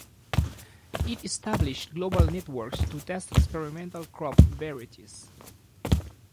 It established global networks to test experimental crop varieties.